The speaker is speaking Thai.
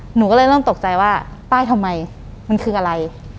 หนูก็เลยเริ่มตกใจว่าป้ายทำไมมันคืออะไร